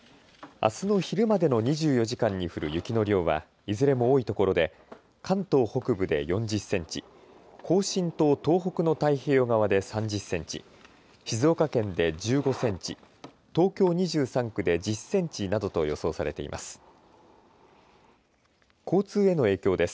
あすの昼までの２４時間に降る雪の量はいずれも多いところで関東北部で４０センチ、甲信と東北の太平洋側で３０センチ、静岡県で１５センチ、東京２３区で１０センチなどと予想されています。